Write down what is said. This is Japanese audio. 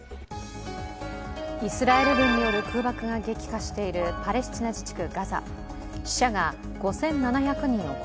イスラエル軍による空爆が激化しているパレスチナ自治区ガザ。